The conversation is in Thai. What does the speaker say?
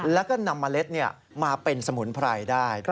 แล้วก็นำเมล็ดมาเป็นสมุนไพรได้